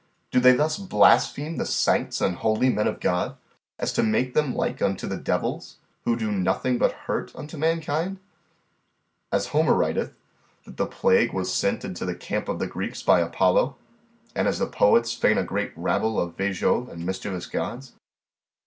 Do they thus blaspheme the sancts and holy men of God, as to make them like unto the devils, who do nothing but hurt unto mankind, as Homer writeth, that the plague was sent into the camp of the Greeks by Apollo, and as the poets feign a great rabble of Vejoves and mischievous gods.